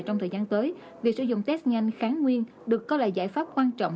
trong thời gian tới việc sử dụng test nhanh kháng nguyên được coi là giải pháp quan trọng